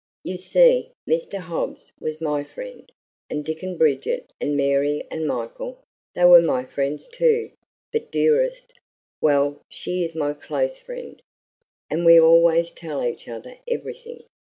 You see, Mr. Hobbs was my friend, and Dick and Bridget and Mary and Michael, they were my friends, too; but Dearest well, she is my CLOSE friend, and we always tell each other everything.